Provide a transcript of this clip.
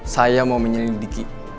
saya mau menyelidiki